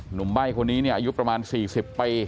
หนุ่มใบ้คนนี้เนี่ยอายุประมาณ๔๐ปีนะครับ